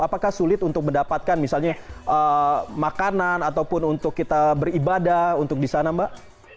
apakah sulit untuk mendapatkan misalnya makanan ataupun untuk kita beribadah untuk di sana mbak